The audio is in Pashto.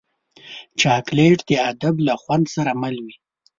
چاکلېټ د ادب له خوند سره مل وي.